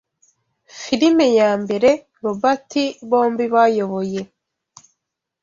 Filime yambere Robati bombi bayoboye